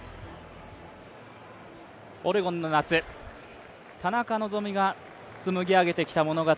オレゴンの夏、田中希実が紡ぎ上げてきた物語。